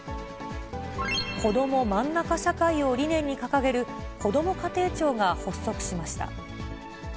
こどもまんなか社会を理念に掲げる、こども家庭庁が発足しました。